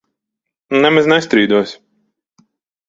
Nemaz nestrīdos.